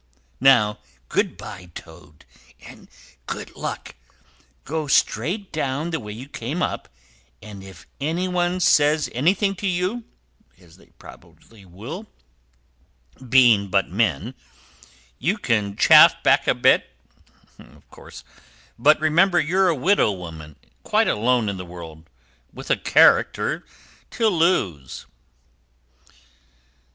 Now, good bye, Toad, and good luck. Go straight down the way you came up; and if any one says anything to you, as they probably will, being but men, you can chaff back a bit, of course, but remember you're a widow woman, quite alone in the world, with a character to lose."